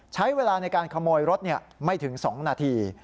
ใช้เวลาในการขโมยรถไม่ถึง๒นาที